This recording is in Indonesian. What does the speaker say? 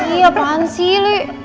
ih apaan sih lih